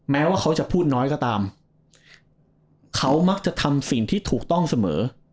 แม้ว่าเขาจะพูดน้อยก็ตามเขามักจะทำสิ่งที่ถูกต้องเสมอ